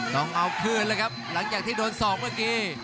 ต้องเอาคืนนะคะหลังจากที่โดนสองเมื่อกี๊